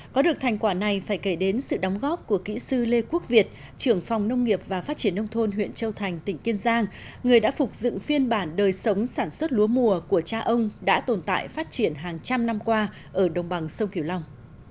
có được thành quả này phải kể đến sự đóng góp của kỹ sư lê quốc việt trưởng phòng nông nghiệp và phát triển nông thôn huyện châu thành tỉnh kiên giang người đã phục dựng phiên bản đời sống sản xuất lúa mùa của cha ông đã tồn tại phát triển hàng trăm năm qua ở đồng bằng sông kiều long